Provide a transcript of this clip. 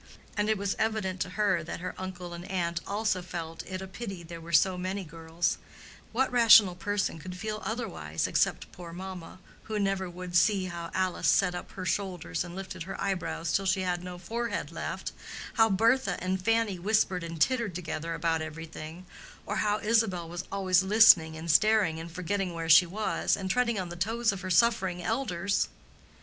And it was evident to her that her uncle and aunt also felt it a pity there were so many girls:—what rational person could feel otherwise, except poor mamma, who never would see how Alice set up her shoulders and lifted her eyebrows till she had no forehead left, how Bertha and Fanny whispered and tittered together about everything, or how Isabel was always listening and staring and forgetting where she was, and treading on the toes of her suffering elders?